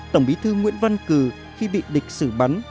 tổng bí thư nguyễn văn cừ khi bị địch xử bắn